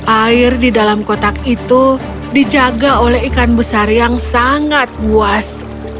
air di dalam kotak itu dijaga oleh ikan besar yang sangat luas